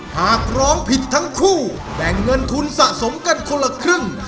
หากร้องผิดทั้งคู่แบ่งเงินทุนสะสมกันคนละครึ่ง